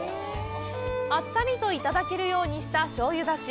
あっさりといただけるようにした醤油出汁。